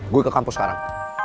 gue ke kampus sekarang